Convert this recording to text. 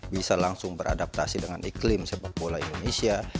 bisa langsung beradaptasi dengan iklim sepak bola indonesia